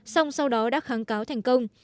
song sau đó đã kháng cáo thành công